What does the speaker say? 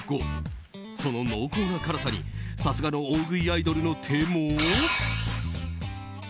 その濃厚な辛さにさすがの大食いアイドルの手も。